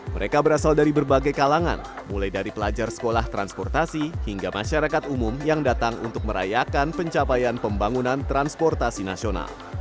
mereka berasal dari berbagai kalangan mulai dari pelajar sekolah transportasi hingga masyarakat umum yang datang untuk merayakan pencapaian pembangunan transportasi nasional